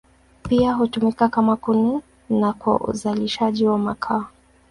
Pia hutumika kama kuni na kwa uzalishaji wa makaa.